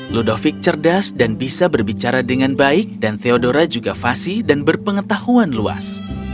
ludovic cerdas dan bisa berbicara dengan baik dan theodora juga fasi dan berpengetahuan luas